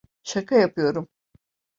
Şaka yapıyorum.